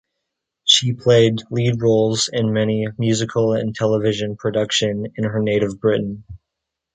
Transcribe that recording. She played lead roles in many musicals and television production in her native Britain.